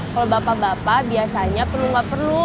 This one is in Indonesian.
kalau bapak bapak biasanya perlu nggak perlu